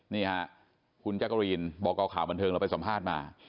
นี่ค่ะคุณแจ๊กกะรีนบอกข่าวบันเทิงเราไปสัมภาษณ์มา